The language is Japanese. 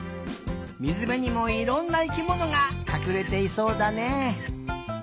みずべにもいろんな生きものがかくれていそうだね。